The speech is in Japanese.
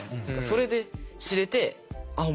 それで知れてあっ